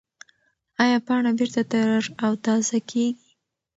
ایا پاڼه بېرته تر او تازه کېږي؟